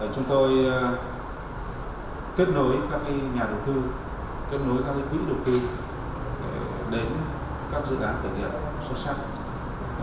chúng tôi kết nối các nhà đầu tư kết nối các quỹ đầu tư đến các dự án thể hiện xuất sắc